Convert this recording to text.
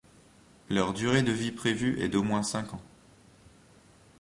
Leur durée de vie prévue est d'au moins cinq ans.